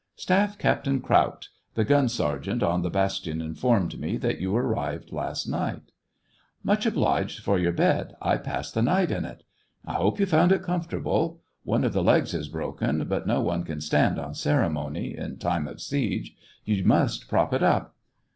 " Staff Captain Kraut. ... The gun sergeant on the bastion informed me that you arrived last night." SEVASTOPOL IN AUGUST. 209 " Much obliged for your bed ; I passed the night in it." " I hope you found it comfortable ? One of the legs is broken ; but no one can stand on cere mony — in time of siege — you must prop it up."